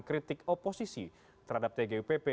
kritik oposisi terhadap tgupp